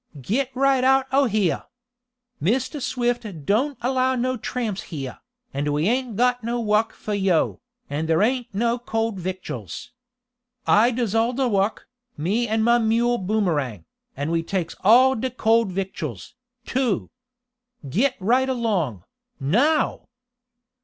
Git right out oh heah! Mistah Swift doan't allow no tramps heah, an' we ain't got no wuk fo' yo', an' there ain't no cold victuals. I does all de wuk, me an' mah mule Boomerang, an' we takes all de cold victuals, too! Git right along, now!"